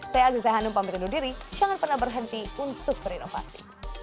saya aziza hanum pamit undur diri jangan pernah berhenti untuk berinovasi